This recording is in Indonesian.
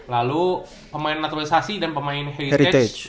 lalu pemain naturalisasi dan pemain heritage